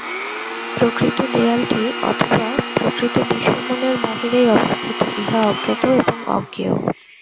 প্রকৃত দেওয়ালটি অথবা প্রকৃত বিশ্ব মনের বাহিরেই অবস্থিত, ইহা অজ্ঞাত এবং অজ্ঞেয়।